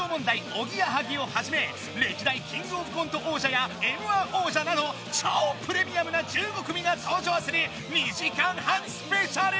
おぎやはぎをはじめ歴代キングオブコント王者やＭ−１王者など超プレミアムな１５組が登場する２時間半スペシャル